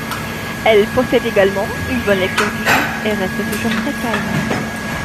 Elle possède également une bonne lecture du jeu, et reste toujours très calme.